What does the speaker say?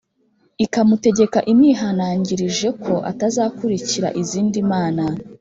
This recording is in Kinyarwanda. ikamutegeka imwihanangirije ko atazakurikira izindi mana